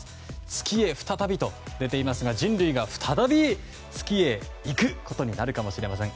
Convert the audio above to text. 月へ再びと出ていますが人類が再び月へ行くことになるかもしれません。